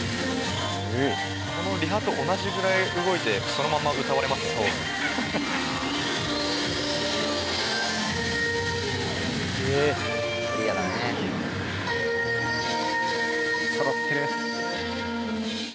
・このリハと同じぐらい動いてそのまま歌われますんで・・そろってる・